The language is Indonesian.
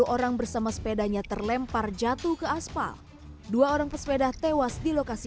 orang bersama sepedanya terlempar jatuh ke aspal dua orang pesepeda tewas di lokasi